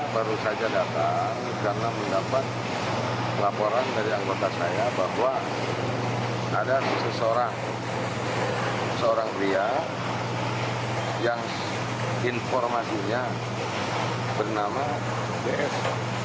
baru saja datang karena mendapat laporan dari anggota saya bahwa ada seseorang seorang pria yang informasinya bernama bs